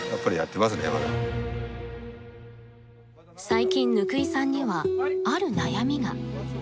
最近貫井さんにはある悩みが。